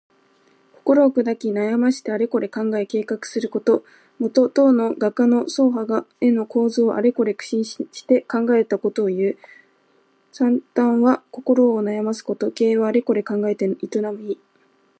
心をくだき、悩ましてあれこれ考え計画すること。もと、唐の画家の曹覇が絵の構図をあれこれ苦心して考えたことをいう。「惨憺」は心を悩ますこと。「経営」はあれこれ考えて営む意。